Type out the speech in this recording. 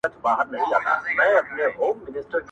زوی یې پرانیستله خوله ویل بابکه!!